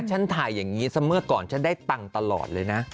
ฉันถ่ายอย่างนี้ซะเมื่อก่อนฉันได้ตังค์ตลอดเลยนะ